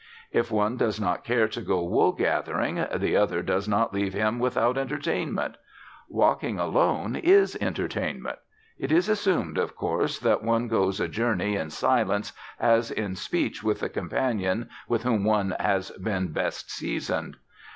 If one does not care to go wool gathering, the other does not leave him without entertainment; walking alone is entertainment. It is assumed, of course, that one goes a journey in silence as in speech with the companion with whom one has been best seasoned.